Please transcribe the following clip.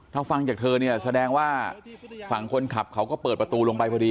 ถ้าฟังจากเธอเนี่ยแสดงว่าฝั่งคนขับเขาก็เปิดประตูลงไปพอดี